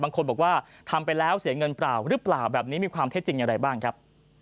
บางคนบอกว่าทำไปแล้วเสียเงินเปล่าหรือเปล่าแบบนี้มีความเท็จจริงอย่างไรบ้างครับ